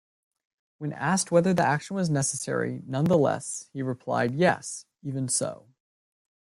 When asked whether the action was necessary nonetheless, he replied, Yes, even so.